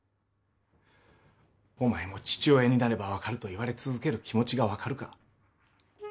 お前も父親になれば分かると言われ続ける気持ちが分かるか？